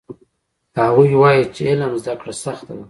هغوی وایي چې علم زده کړه سخته ده